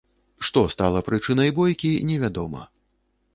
Што стала прычынай бойкі, невядома.